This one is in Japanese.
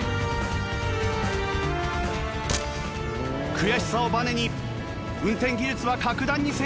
悔しさをバネに運転技術は格段に成長しました。